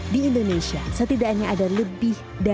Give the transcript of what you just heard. di indonesia setidaknya ada tiga juta generasi muda